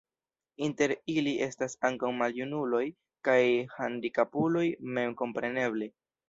Inter ili estas ankaŭ maljunuloj kaj handikapuloj memkompreneble.